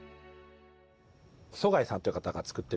曽我井さんという方が作ってる。